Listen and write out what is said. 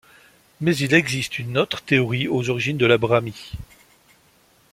Mais il existe une autre théorie aux origines de la brahmi.